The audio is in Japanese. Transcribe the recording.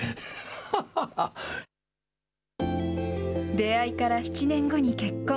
出会いから７年後に結婚。